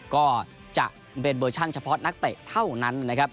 ก็จะเป็นเวอร์ชันเฉพาะนักเตะเท่านั้นนะครับ